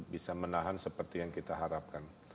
bisa menahan seperti yang kita harapkan